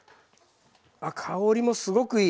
あ香りもすごくいい。